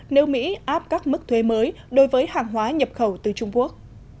nếu mỹ áp các mức thuê mới đối với hàng hóa nhập khẩu từ trung quốc